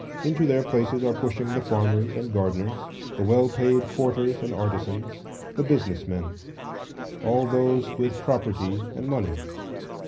Into their places are pushing the farmers and gardeners, the well paid porters and artisans, the business men,—all those with property and money.